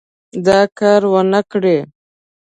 دا کار ونه کړي.